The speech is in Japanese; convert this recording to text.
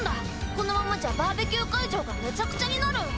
このままじゃバーベキュー会場がめちゃくちゃになる。